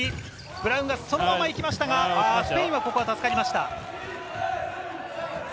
ブラウンがそのまま行きましたがスペインはここは助かりました。